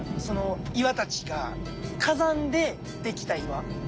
その岩たちが火山でできた岩。